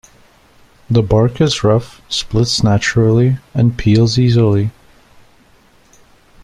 The bark is rough, splits naturally, and peels easily.